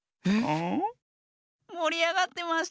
もりあがってましたね。